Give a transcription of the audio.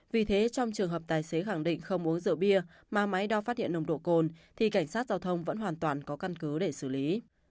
vì thế trong trường hợp tài xế khẳng định không uống rượu bia mà máy đo phát hiện nồng độ cồn thì cảnh sát giao thông vẫn hoàn toàn có căn cứ để xử lý